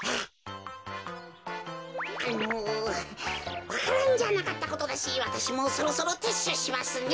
あのわか蘭じゃなかったことだしわたしもそろそろてっしゅうしますね。